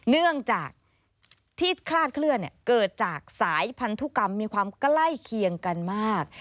เนื่องจากที่คลาดเคลื่อนเกิดจากสายพันธุกรรมมีความใกล้เคียงกันมาก